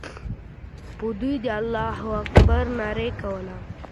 دوی د الله اکبر ناره کوله.